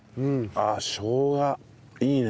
ああしょうがいいね。